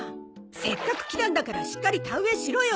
せっかく来たんだからしっかり田植えしろよ。